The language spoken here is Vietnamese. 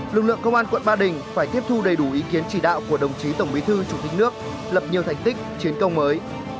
lực lượng công an quận ba đình phải tiếp thu đầy đủ ý kiến chỉ đạo của đồng chí tổng bí thư chủ tịch nước lập nhiều thành tích chiến công mới